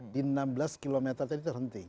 di enam belas km tadi terhenti